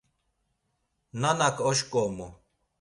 Nanak oşǩomu.